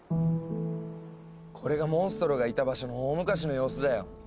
これがモンストロがいた場所の大昔の様子だよ。